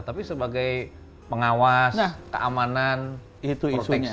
tapi sebagai pengawas keamanan proteksi itu gimana